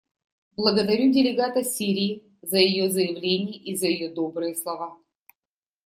Благодарю делегата Сирии за ее заявление и за ее добрые слова.